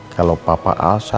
kalau papa al seharusnya ya